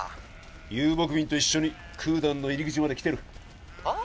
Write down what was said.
遊牧民と一緒にクーダンの入り口まで来てる☎はあ？